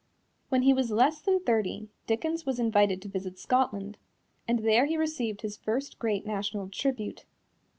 When he was less than thirty, Dickens was invited to visit Scotland, and there he received his first great national tribute.